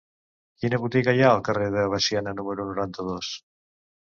Quina botiga hi ha al carrer de Veciana número noranta-dos?